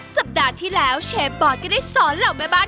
สัปดาห์ที่แล้วเชฟบอร์ดก็ได้สอนเหล่าแม่บ้าน